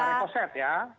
ya reko set ya